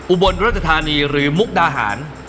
อุบลรัชธานีหรือมุกดาหาร